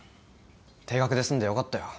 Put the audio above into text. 停学で済んでよかったよ。